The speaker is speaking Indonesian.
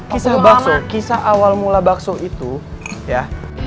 kisah bakso kisah awal mula bakso itu ya